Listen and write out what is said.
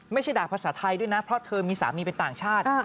ไม่ใช่ด่าภาษาไทยด้วยนะเพราะเธอมีสามีเป็นต่างชาติ